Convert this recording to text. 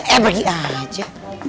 eh pergi aja